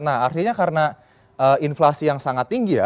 nah artinya karena inflasi yang sangat tinggi ya